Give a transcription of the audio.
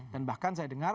dan bahkan saya dengar